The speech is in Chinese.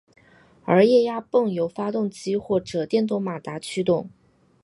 而液压泵由发动机或者电动马达驱动。